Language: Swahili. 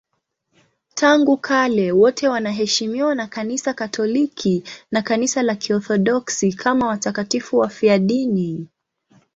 Tangu kale wote wanaheshimiwa na Kanisa Katoliki na Kanisa la Kiorthodoksi kama watakatifu wafiadini.